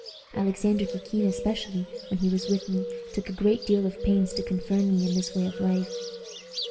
Alexander Kikin especially, when he was with me, took a great deal of pains to confirm me in this way of life.